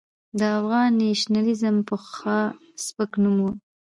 د افغان نېشنلېزم پخوا سپک نوم و.